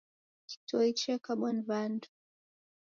Kitoi chekabwa ni wandu.